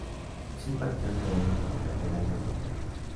Si un Panteón de reyes de la Catedral de Oviedo.